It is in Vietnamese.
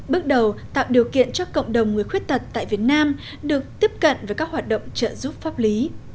bước đầu tạo điều kiện cho cộng đồng người khuyết tật tại việt nam được tiếp cận với các hoạt động trợ giúp pháp lý